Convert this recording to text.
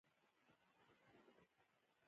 آیا ځینې ورته لوني نه وايي؟